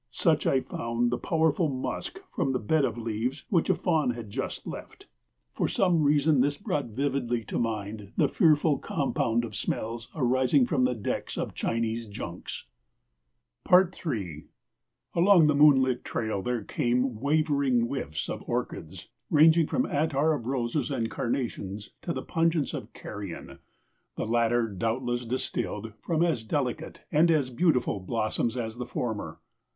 Such I found the powerful musk from the bed of leaves which a fawn had just left. For some reason this brought vividly to mind the fearful compound of smells arising from the decks of Chinese junks. III Along the moonlit trail there came wavering whiffs of orchids, ranging from attar of roses and carnations to the pungence of carrion, the latter doubtless distilled from as delicate and as beautiful blossoms as the former.